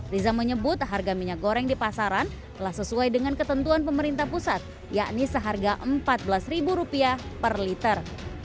riza menyebut harga minyak goreng di pasaran telah sesuai dengan ketentuan pemerintah pusat yakni seharga rp empat belas per liter